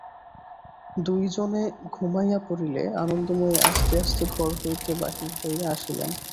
দুইজনে ঘুমাইয়া পড়িলে আনন্দময়ী আস্তে আস্তে ঘর হইতে বাহির হইয়া আসিলেন।